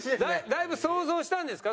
だいぶ想像したんですか？